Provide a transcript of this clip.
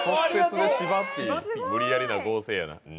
無理やりな合成やな。